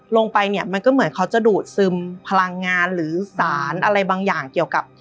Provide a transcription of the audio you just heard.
ลงไปเนี่ยมันก็เหมือนเขาจะดูดซึมพลังงานหรือสารอะไรบางอย่างเกี่ยวกับ